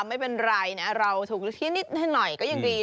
ไม่เป็นไรเราถูกที่หนิดขนาดนี้หน่อย